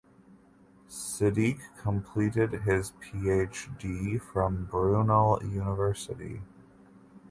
Siddique completed his Phd from Brunel University.